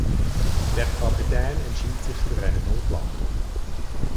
Der Kapitän entschied sich für eine Notlandung.